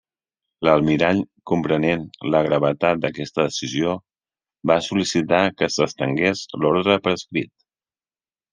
L'almirall, comprenent la gravetat d'aquesta decisió, va sol·licitar que s'estengués l'ordre per escrit.